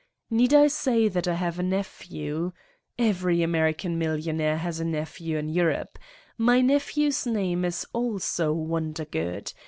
Need I say that I have a nephew? Every Amer ican millionaire has a nephew in Europe. My nephew's name is also Wondergood.